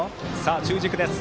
中軸です。